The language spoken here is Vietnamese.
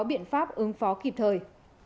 biện pháp ứng phó kịp thời